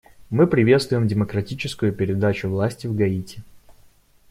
Мы приветствуем демократическую передачу власти в Гаити.